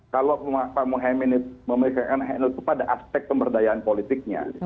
kalau pak mohamid memikirkan handel kepada aspek pemberdayaan politiknya